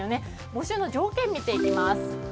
募集の条件を見ていきます。